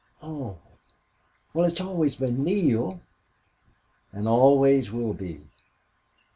"Oh!... Well, it's always been Neale and always will be."